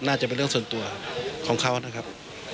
น่าจะเป็นเรื่องส่วนตัวของเขานะครับ